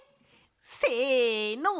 せの！